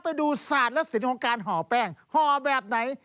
ไปดูศาสตร์และสินของการห่อแป้งห่อแบบไหน